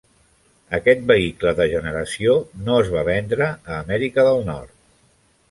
Aquest vehicle de generació no es va vendre a Amèrica del Nord.